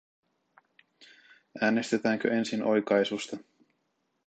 Äänestetäänkö ensin oikaisusta?